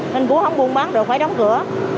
nên cũng không buôn bán được phải đóng cửa